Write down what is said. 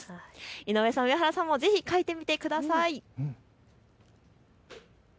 井上さん、上原さんもぜひ描いてみてください。